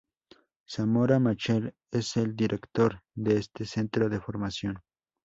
Samora Machel, es el director de este centro de formación.